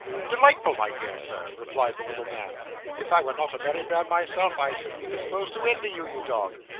'Delightful, my dear Sir,' replied the little man. 'If I were not a married man myself, I should be disposed to envy you, you dog.